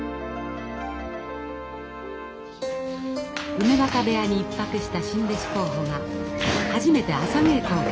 梅若部屋に１泊した新弟子候補が初めて朝稽古を見学しています。